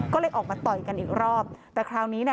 ก็เลยออกมาต่อยกันอีกรอบแต่คราวนี้เนี่ย